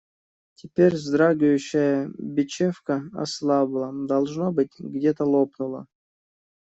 Теперь вздрагивающая бечевка ослабла – должно быть, где-то лопнула.